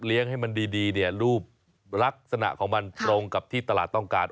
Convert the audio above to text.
ให้มันดีเนี่ยรูปลักษณะของมันตรงกับที่ตลาดต้องการ